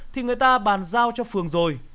thì người ta bàn giao cho phường rồi